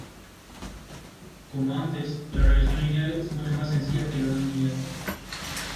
Como antes, la regresión lineal es mucho más sencilla que la no lineal.